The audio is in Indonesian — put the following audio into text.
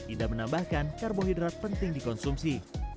ida menambahkan karbohidrat penting dikonsumsi